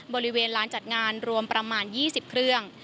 บริเวณลานจัดงานรวมประมาณ๒๐เครื่อง